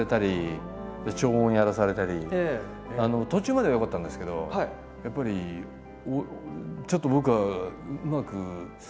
やっぱり途中まではよかったんですけどやっぱりちょっと僕はうまくあんまりいかなくて。